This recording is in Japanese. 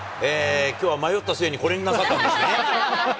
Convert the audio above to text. きょうは迷った末に、これになさったんですね。